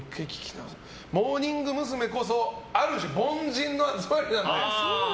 モーニング娘。こそある種凡人の集まりだと。